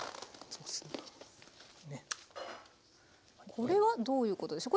これはどういうことでしょう。